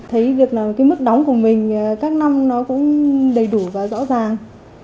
thấy việc là cái mức đóng của mình các năm nó cũng đầy đủ và rõ ràng